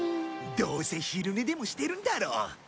どうせ昼寝でもしてるんだろ。